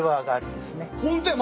ホントや。